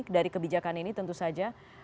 dari kebijakan ini tentu saja